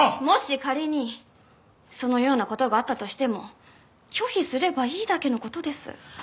もし仮にそのような事があったとしても拒否すればいいだけの事です。